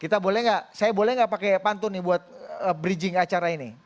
kita boleh nggak saya boleh nggak pakai pantun nih buat bridging acara ini